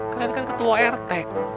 kalian kan ketua rt